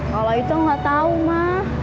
kalau itu gak tau ma